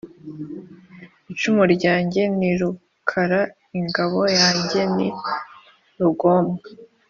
icumu ryange ni rukara , ingabo yange ni rugomwa,